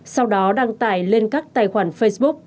sau đó đăng tải lên các tài khoản facebook